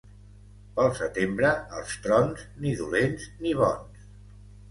Pel setembre, els trons, ni dolents ni bons.